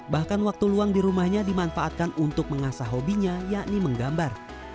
bahkan waktu luang di rumahnya dimanfaatkan untuk mengasah hobinya yakni menggambar